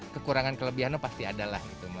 kekurangan kelebihan pasti ada lah